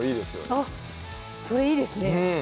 あっそれいいですね